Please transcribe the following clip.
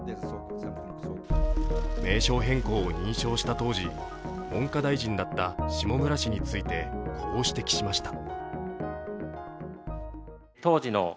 名称変更を認証した当時、文科大臣だった下村氏についてこう指摘しました。